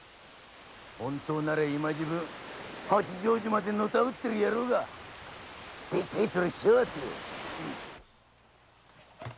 本当なら今時分八丈島でのたうってる野郎がでっけぇツラしやがって。